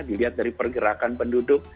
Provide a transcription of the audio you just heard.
dilihat dari pergerakan penduduk